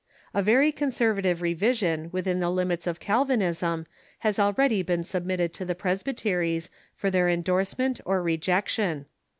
A very conservative revision within the limits of Calvinism has already been sub mitted to the presbyteries for their endorsement or rejection.